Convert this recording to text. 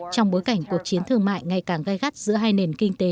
trong bối cảnh cuộc chiến thương mại ngày càng gai gắt giữa hai nền kinh tế